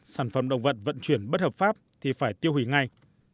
sản phẩm động vật vận chuyển bất hợp pháp thì phải tiêu hủy ngay